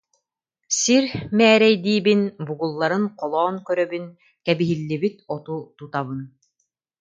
Сир мээрэйдиибин, бугулларын холоон көрөбүн, кэбиһиллибит оту тутабын